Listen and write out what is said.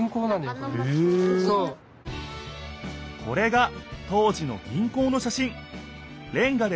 これが当時の銀行のしゃしん。